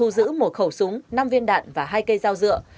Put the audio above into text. giữ một khẩu súng năm viên đạn và hai cây dao dựa